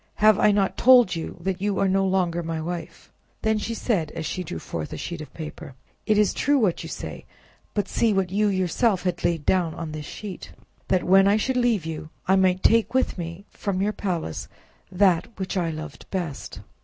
Have I not told you that you are no longer my wife?" Then said she, as she drew forth a sheet of paper— "It is true what you say; but see what you yourself have laid down on this sheet: that when I should leave you, I might take with me, from your palace, that which I loved best."